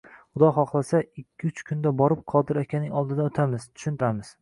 Xudo xohlasa, ikki uch kunda borib, Qodir akaning oldidan oʻtamiz, tushuntiramiz